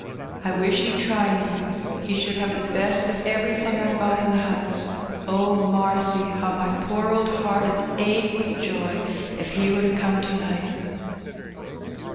I wish he'd try me, he should have the best of everything I've got in the house. Oh, marcy ! how my poor old heart 'ud ache with joy if he were to come to night.'